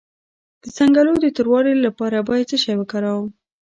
د څنګلو د توروالي لپاره باید څه شی وکاروم؟